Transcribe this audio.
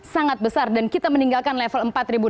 sangat besar dan kita meninggalkan level empat lima ratus